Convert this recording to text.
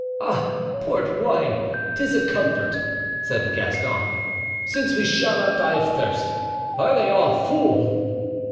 "Ah! port wine! 'tis a comfort," said the Gascon, "since we shall not die of thirst. Are they all full?"